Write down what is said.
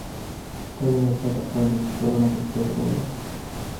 تعلیم یافته کسان دي، چي ټولنه پر پښو درولاى سي.